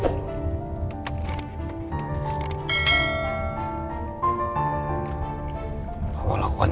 iya papa yang baik untuk kamu